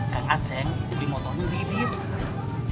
kan atseng beli motornya dikit dikit